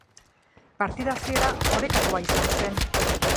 Partida hasiera orekatua izan zen.